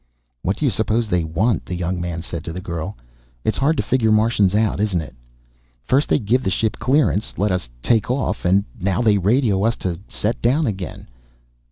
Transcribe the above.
"What do you suppose they want?" the young man said to the girl. "It's hard to figure Martians out, isn't it? First they give the ship clearance, let us take off, and now they radio us to set down again.